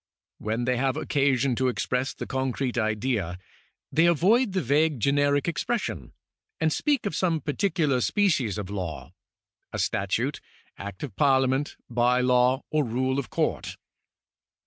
When they have occasion to express the concrete idea, they avoid the vague generic expression, and speak of some particular species of law — a statute. Act of Parliament, by law, or rule of Court.